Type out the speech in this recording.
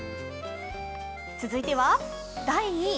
続いては、第２位。